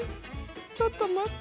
ちょっと待って。